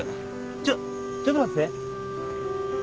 ちょちょっと待ってて。